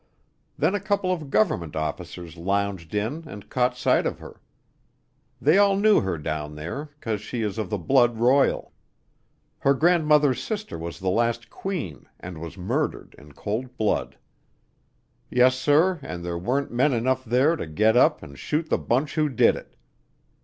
Then a couple of government officers lounged in and caught sight of her. They all know her down there 'cause she is of the blood royal. Her grandmother's sister was the last queen and was murdered in cold blood. Yes, sir, and there weren't men enough there to get up and shoot the bunch who did it.